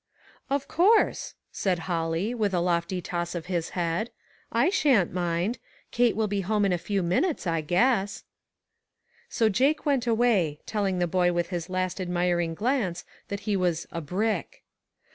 " Of course," said Holly, with a lofty toss of his head. " I sha'n't mind. Kate will be home in a few minutes, I guess." So Jake went away, telling the boy with his last admiring glance that he was "a brick."